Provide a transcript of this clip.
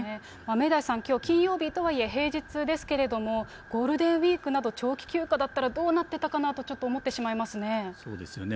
明大さん、きょう、金曜日とはいえ平日ですけれども、ゴールデンウィークなど長期休暇だったらどうなっていたかなとちそうですよね。